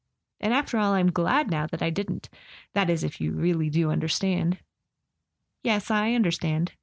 And, after all, I'm glad now that I didn't— that is, if you really do understand." "Yes; I understand."